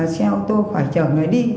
xe ô tô phải chở người đi